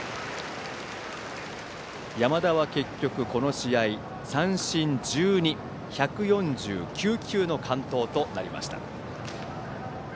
山田は結局、この試合、三振１２１４９球の完投となりました。